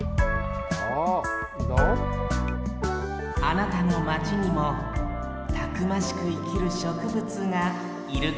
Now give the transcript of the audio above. あなたのマチにもたくましくいきるしょくぶつがいるかもしれませんよ